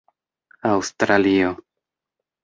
aŭstralio